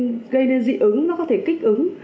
nó có thể kích ứng